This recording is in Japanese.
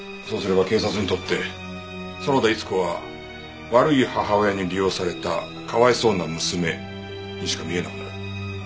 そうすれば警察にとって園田逸子は「悪い母親に利用されたかわいそうな娘」にしか見えなくなる。